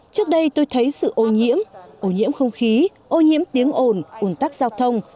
trước đây tôi thấy sự ô nhiễm ô nhiễm không khí ô nhiễm tiếng ồn ồn tắc giao thông